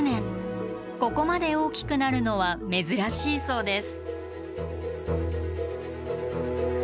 ここまで大きくなるのは珍しいそうです。